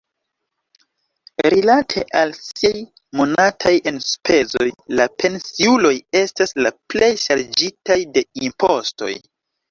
Rilate al siaj monataj enspezoj, la pensiuloj estas la plej ŝarĝitaj de impostoj.